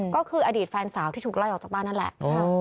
ก็คืออดีตแฟนสาวที่ถูกไล่ออกจากบ้านนั่นแหละ